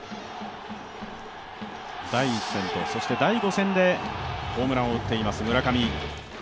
第１戦と第５戦でホームランを打っています、村上。